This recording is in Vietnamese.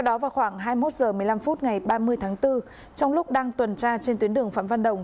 đó vào khoảng hai mươi một h một mươi năm phút ngày ba mươi tháng bốn trong lúc đang tuần tra trên tuyến đường phạm văn đồng